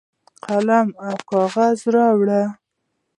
قلم او کاغذ راوړي.